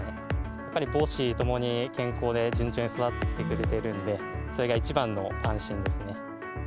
やっぱり母子共に健康で、順調に育ってきてくれてるんで、それが一番の安心ですね。